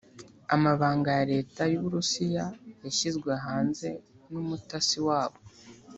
Amabanga ya Leta y’uburusiya yashyizwe yanze numutasi wabo